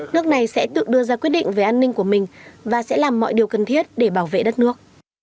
nước này sẽ tự đưa ra quyết định về an ninh của mình và sẽ làm mọi điều cần thiết để bảo vệ đất nước